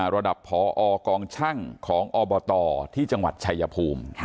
ระดับพอกองช่างของอบตที่จังหวัดชายภูมิ